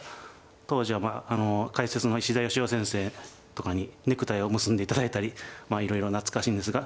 当時は解説の石田芳夫先生とかにネクタイを結んで頂いたりいろいろ懐かしいんですが。